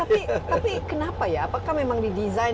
tapi kenapa ya apakah memang didesain